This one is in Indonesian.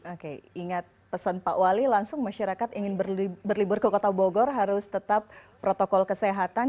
oke ingat pesan pak wali langsung masyarakat ingin berlibur ke kota bogor harus tetap protokol kesehatan